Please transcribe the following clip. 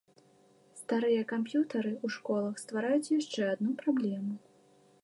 Старыя камп'ютары ў школах ствараюць яшчэ адну праблему.